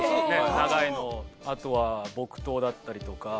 あとは木刀だったりとか。